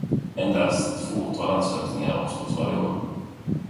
Endast ett fåtal ansökningar avslås varje år.